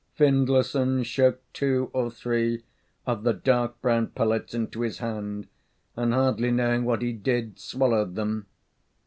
Findlayson shook two or three of the dark brown pellets into his hand, and hardly knowing what he did, swallowed them.